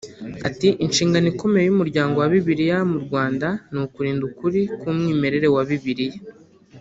Ati “Inshingano ikomeye y’Umuryango wa Bibiliya mu Rwanda ni ukurinda ukuri k’umwimerere wa Bibiliya